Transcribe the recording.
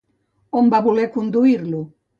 On va voler conduir-lo?